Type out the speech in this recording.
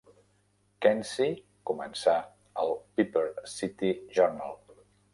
Kensey començà el "Piper City Journal".